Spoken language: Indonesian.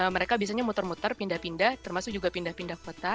mereka biasanya muter muter pindah pindah termasuk juga pindah pindah kota